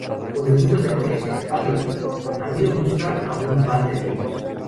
o de puntos de corriente, ¿ vale? ramiro, busca a un par de amigos